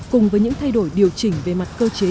cùng với những thay đổi điều chỉnh về mặt cơ chế